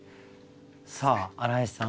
さあ荒井さん